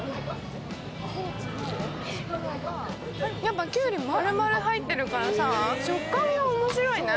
やっぱきゅうり、丸々入ってるからさ、食感が面白いね。